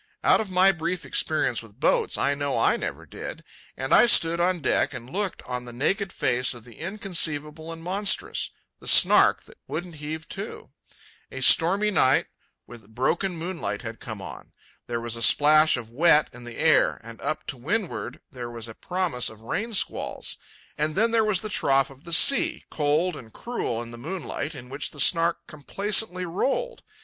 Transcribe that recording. Out of my brief experience with boats I know I never did. And I stood on deck and looked on the naked face of the inconceivable and monstrous—the Snark that wouldn't heave to. A stormy night with broken moonlight had come on. There was a splash of wet in the air, and up to windward there was a promise of rain squalls; and then there was the trough of the sea, cold and cruel in the moonlight, in which the Snark complacently rolled.